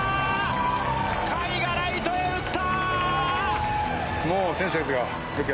甲斐がライトへ打った！